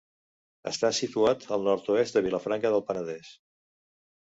Està situat al nord-oest de Vilafranca del Penedès.